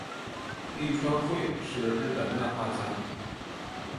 立川惠是日本漫画家。